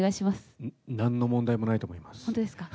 なんの問題もないと思います。